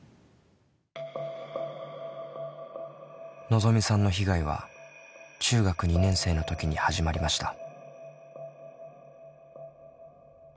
のぞみさんの被害は中学２年生の時に始まりました。